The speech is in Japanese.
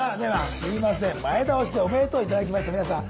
すいません前倒しで「おめでとう」頂きました皆さん。